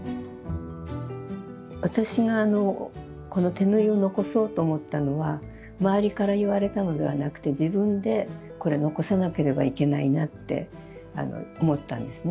私がこの手縫いを残そうと思ったのは周りから言われたのではなくて自分でこれ残さなければいけないなって思ったんですね。